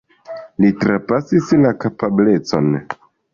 Li trapasis la kapablecon.